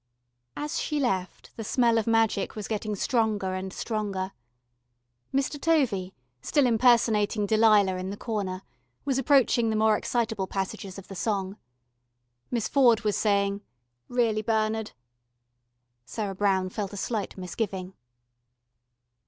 As she left, the smell of magic was getting stronger and stronger. Mr. Tovey, still impersonating Delilah in the corner, was approaching the more excitable passages of the song. Miss Ford was saying, "Really, Bernard...." Sarah Brown felt a slight misgiving.